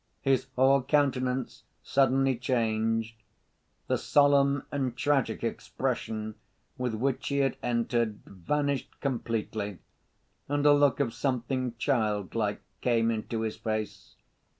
His whole countenance suddenly changed. The solemn and tragic expression with which he had entered vanished completely, and a look of something childlike came into his face.